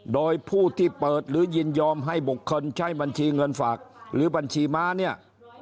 โดยผู้ที่เปิดหรือยินยอมให้บุคคลใช้บัญชีเงินฝากหรือบัญชีม้าเนี่ย